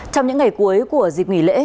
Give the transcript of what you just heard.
trong những ngày cuối của dịp nghỉ lễ